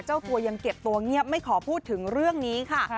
เจ้าตัวยังเก็บตัวเงียบไม่ขอพูดถึงเรื่องนี้ค่ะ